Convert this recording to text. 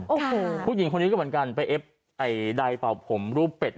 คุณผู้หญิงคนนี้ก็เหมือนกันไปเอฟไอดายเปล่าผมรูปเป็ดน่ะ